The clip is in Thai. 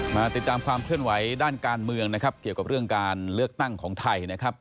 มาติดตามความเคลื่อนไหวด้านการเมืองนะครับเกี่ยวกับเรื่องการเลือกตั้งของไทยนะครับ